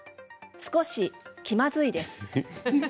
少し気まずいです。